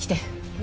え？